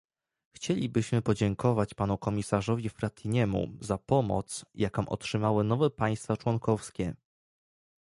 Chcielibyśmy podziękować panu komisarzowi Frattiniemu za pomoc, jaką otrzymały nowe państwa członkowskie